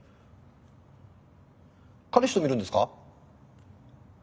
彼氏と見るんですか？